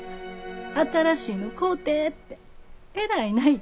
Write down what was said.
「新しいの買うて！」ってえらい泣いてな。